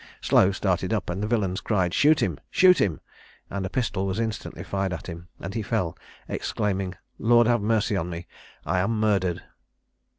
Slow started up, and the villains cried "Shoot him! shoot him!" and a pistol was instantly fired at him, and he fell, exclaiming, "Lord have mercy on me! I am murdered!"